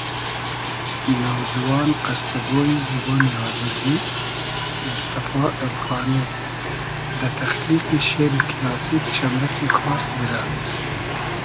نوجوان قستۂ گۉیی زیبونی آزرگی موستئفا ایلخانی دۂ تئخلیقی شېری کیلاسیک چئمرئسی خاس دیرۂ